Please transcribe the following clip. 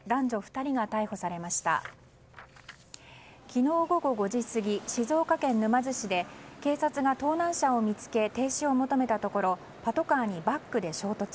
昨日午後５時過ぎ静岡県沼津市で警察が盗難車を見つけ停止を求めたところパトカーにバックで衝突。